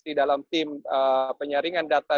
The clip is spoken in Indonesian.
di dalam tim penyaringan data